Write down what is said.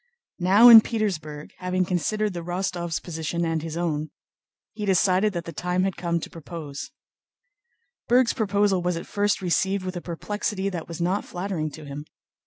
Now in Petersburg, having considered the Rostóvs' position and his own, he decided that the time had come to propose. * "That girl shall be my wife." Berg's proposal was at first received with a perplexity that was not flattering to him.